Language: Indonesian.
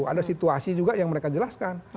ada situasi juga yang mereka jelaskan